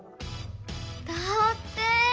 だって！